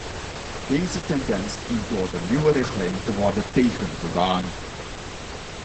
Deze tendens dient door de nieuwe richtlijn te worden tegengegaan.